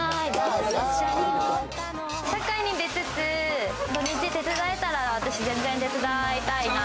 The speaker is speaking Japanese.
社会に出つつ土日手伝えたら私全然手伝いたいな。